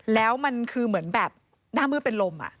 แล้วมันคือเหมือนแบบหน้ามืดเป็นลม